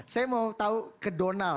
saya mau tahu ke donald